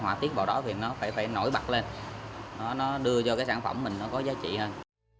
họa tiết vào đó thì nó phải phải nổi bật lên nó đưa cho cái sản phẩm mình nó có giá trị hơn